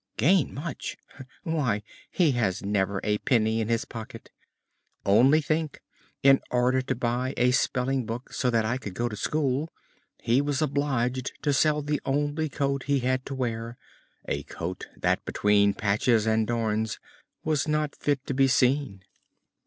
"Gain much? Why, he has never a penny in his pocket. Only think, in order to buy a spelling book so that I could go to school he was obliged to sell the only coat he had to wear a coat that, between patches and darns, was not fit to be seen."